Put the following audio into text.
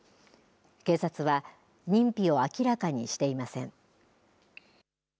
警察は認否を明らかにしていません。